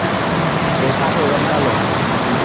এর কাঠের রঙ কালো।